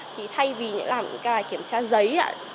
thì thay vì những cái kiểm tra giấy